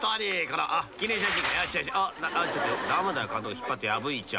引っ張って破いちゃ］